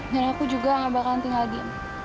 dan aku juga gak bakalan tinggal di